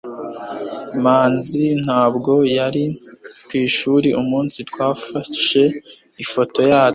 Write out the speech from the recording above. manzi ntabwo yari ku ishuri umunsi twafashe ifoto yacu